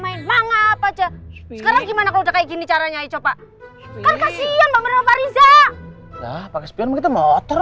apa aja sekarang gimana kalau udah kayak gini caranya coba kasih yang merah riza pakai motor